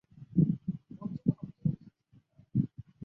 毛振飞住在基隆市的国民住宅老公寓。